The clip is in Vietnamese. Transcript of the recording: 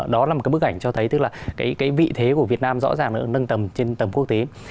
đó là một bức ảnh cho thấy vị thế của việt nam rõ ràng nâng tầm trên tầm quốc tế